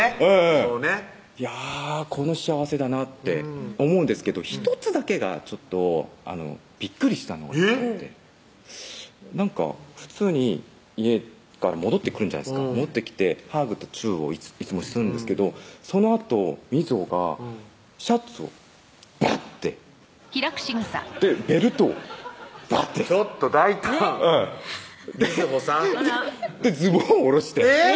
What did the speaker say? そうねいや幸せだなって思うんですけど１つだけがちょっとびっくりしたのがあって普通に家から戻ってくるじゃないですか戻ってきてハグとチューをいつもするんですけどそのあと瑞穂がシャツをバッてベルトをバッてちょっと大胆瑞穂さんズボン下ろしてえぇっ！